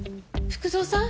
福造さん！